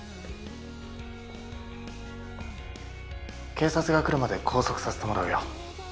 警察が来るまで拘束させてもらうよ。